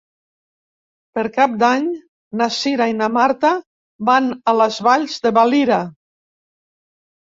Per Cap d'Any na Cira i na Marta van a les Valls de Valira.